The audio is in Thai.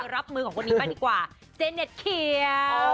รับมือของคนนี้บ้างดีกว่าเจเน็ตเขียว